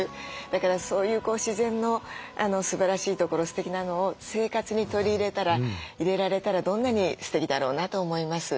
だからそういう自然のすばらしいところすてきなのを生活に取り入れられたらどんなにすてきだろうなと思います。